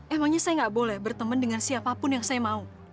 emangnya saya nggak boleh berteman dengan siapapun yang saya mau